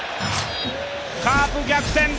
カープ、逆転！